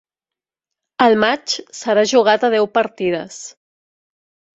El matx serà jugat a deu partides.